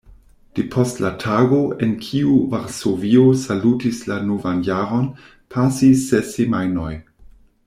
Depost la tago, en kiu Varsovio salutis la novan jaron, pasis ses semajnoj.